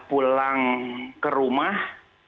pulang ke rumah